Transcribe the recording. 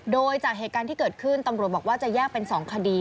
โดยจากเหตุการณ์ที่เกิดขึ้นตำรวจบอกว่าจะแยกเป็น๒คดี